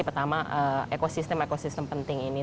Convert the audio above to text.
pertama ekosistem ekosistem penting ini